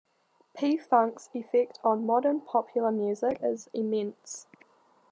P-Funk's effect on modern popular music is immense.